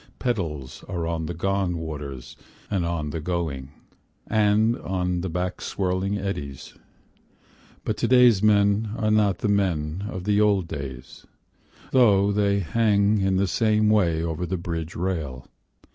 Petals are on the gone waters and on the going, And on the back swirling eddies, But to day's men are not the men of the old days, Though they hang in the same way over the bridge rail.